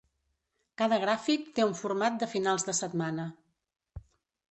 Cada gràfic té un format de finals de setmana.